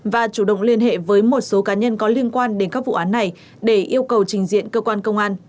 và chủ động liên hệ với một số cá nhân có liên quan đến các vụ án này để yêu cầu trình diện cơ quan công an